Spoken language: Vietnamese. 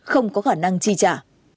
không có khả năng chi trả